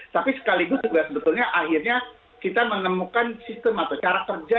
tapi sekaligus juga sebetulnya akhirnya kita menemukan sistem atau cara kerja